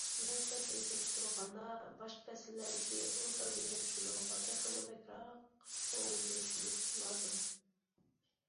ياز پەسلىگە سېلىشتۇرغاندا، باشقا پەسىللەردىكى ئۇلترا بىنەپشە نۇرغا تېخىمۇ بەكرەك كۆڭۈل بۆلۈشىمىز لازىم.